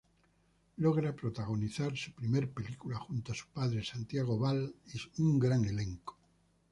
Logra protagonizar su primer película junto a su padre, Santiago Bal y gran elenco.